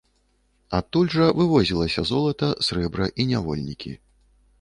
Адтуль жа вывозілася золата, срэбра і нявольнікі.